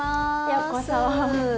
ようこそ。